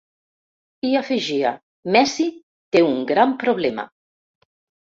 I afegia:: Messi té un gran problema.